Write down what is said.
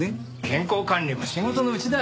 健康管理も仕事のうちだ。